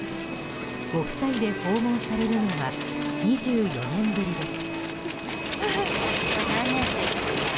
ご夫妻で訪問されるのは２４年ぶりです。